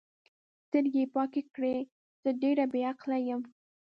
سترګې یې پاکې کړې: زه ډېره بې عقله یم.